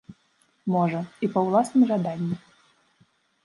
Можа, і па ўласным жаданні.